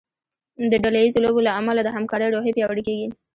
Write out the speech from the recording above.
د ډله ییزو لوبو له امله د همکارۍ روحیه پیاوړې کیږي.